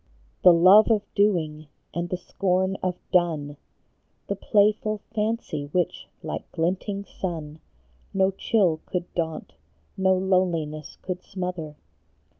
The love of Doing, and the scorn of Done ; The playful fancy, which, like glinting sun, No chill could daunt, no loneliness could smother.